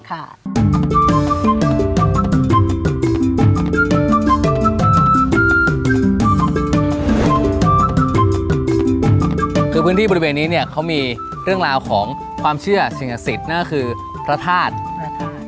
คือพื้นที่บริเวณนี้เนี่ยเขามีเรื่องราวของความเชื่อเฉียงศิษย์นั่นก็คือพระธาตุ